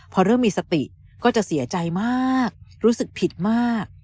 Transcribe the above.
พอเริ่มมีสติก็จะเสียใจมากรู้สึกผิดมาก